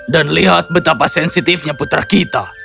dan lihat betapa sensitifnya putra kita